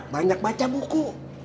banyak baca buku